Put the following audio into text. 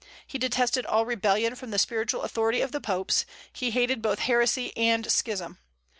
He detested all rebellion from the spiritual authority of the popes; he hated both heresy and schism.